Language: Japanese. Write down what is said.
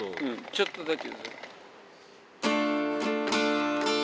ちょっとだけ。